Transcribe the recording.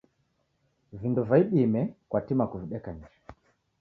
Vindo va idime kwatima kuvideka nicha